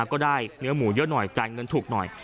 ก็ได้เนื้อหมูเยอะหน่อยจ่ายเงินถูกหน่อย